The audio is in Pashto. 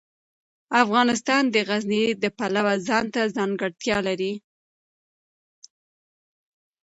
افغانستان د غزني د پلوه ځانته ځانګړتیا لري.